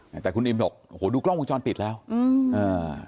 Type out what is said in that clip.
แต่คุณอิมบอกโอ้โหดูกล้องวงจรปิดแล้วอืมอ่า